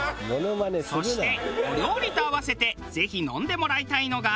そしてお料理と合わせてぜひ飲んでもらいたいのが。